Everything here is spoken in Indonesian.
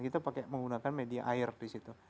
kita pakai menggunakan media air di situ